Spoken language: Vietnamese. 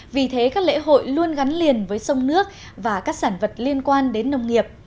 vì thế các lễ hội luôn gắn liền với sông nước và các sản vật liên quan đến nông nghiệp